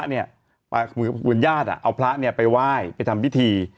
เหมือนญาติเอาพระไปไหว้ไปทำพิธี